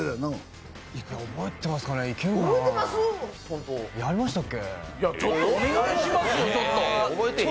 覚えてますかねやりましたっけ？